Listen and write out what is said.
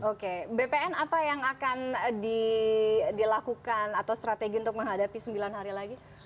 oke bpn apa yang akan dilakukan atau strategi untuk menghadapi sembilan hari lagi